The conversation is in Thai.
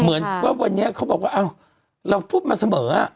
เหมือนว่าวันนี้เขาบอกว่าอ้าวเราพูดมาเสมอ